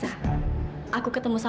ya maksudnya rot steering